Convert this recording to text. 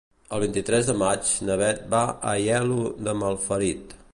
El vint-i-tres de maig na Beth va a Aielo de Malferit.